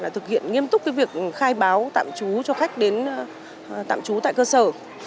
thực hiện nghiêm túc việc khai báo tạm trú cho khách đến tạm trú tại cơ sở